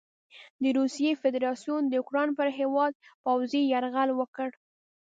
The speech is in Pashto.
د روسیې فدراسیون د اوکراین پر هیواد پوځي یرغل وکړ.